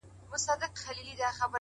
بس ده ه د غزل الف و با مي کړه،